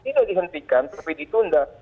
tidak dihentikan tapi ditunda